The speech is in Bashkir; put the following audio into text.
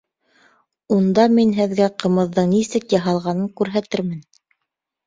Унда мин һеҙгә ҡымыҙҙың нисек яһалғанын күрһәтермен.